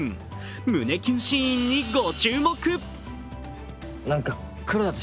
胸キュンシーンにご注目。